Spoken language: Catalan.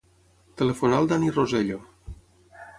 Telefona al Dani Rosello.